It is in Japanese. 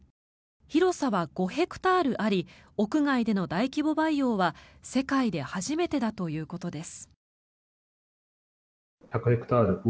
広さは５ヘクタールあり屋外での大規模培養は世界で初めてだということです。